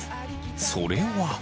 それは。